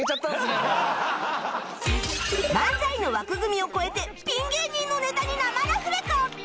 漫才の枠組みを超えてピン芸人のネタに生ラフレコ